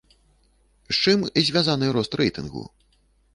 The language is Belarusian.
З чым звязаны рост рэйтынгу?